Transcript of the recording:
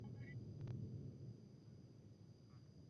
ookoaji wa abiria ulianza mara moja